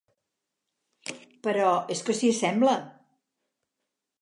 Però és que s'hi assembla!